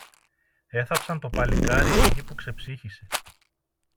Έθαψαν το παλικάρι εκεί που ξεψύχησε.